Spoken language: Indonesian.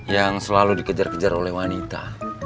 yang selalu dikejar kejar oleh wanita